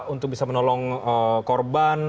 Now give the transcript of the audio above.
untuk bisa menolong korban